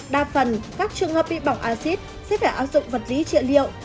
đa phần các trường hợp bị bỏng axit sẽ phải áp dụng vật lý trịa liệu